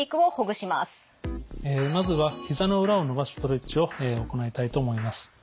まずはひざの裏を伸ばすストレッチを行いたいと思います。